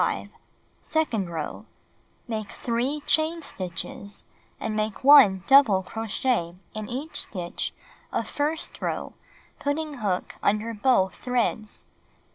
Second row: Make 3 chain stitches, and make 1 double crochet in each stitch of first row putting hook under both threads.